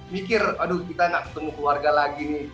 mikir aduh kita gak ketemu keluarga lagi nih